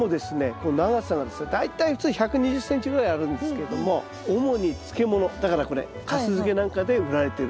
この長さがですね大体普通１２０ｃｍぐらいあるんですけれども主に漬物だからこれかす漬けなんかで売られてる。